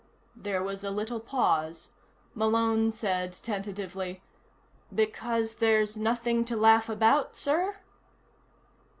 There was a little pause. Malone said, tentatively: "Because there's nothing to laugh about, sir?"